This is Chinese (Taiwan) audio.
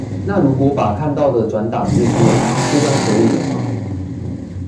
那如果把看到的轉打字出來，就算可以了嗎？